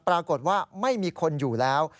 ปรากฏว่าไม่มีคนอยู่แล้ว